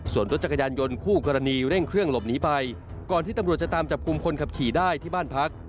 ส่วนรถจักรยานยนต์คู่กรณีเร่งเครื่องหลบหนีไปก่อนที่ตำรวจจะตามจับกลุ่มคนขับขี่ได้ที่บ้านพัก